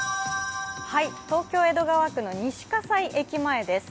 東京・江戸川区の西葛西駅前です。